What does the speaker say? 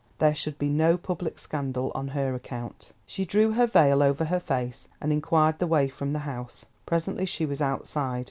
There should be no "public scandal" on her account. She drew her veil over her face, and inquired the way from the House. Presently she was outside.